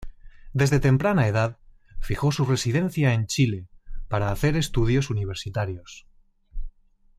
Desde temprana edad fijó su residencia en Chile para hacer estudios universitarios.